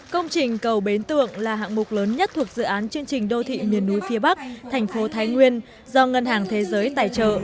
công trình cầu bến tượng là hạng mục lớn nhất thuộc dự án chương trình đô thị miền núi phía bắc thành phố thái nguyên do ngân hàng thế giới tài trợ